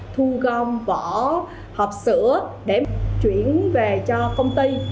thu gom vỏ hộp sữa để chuyển về cho công ty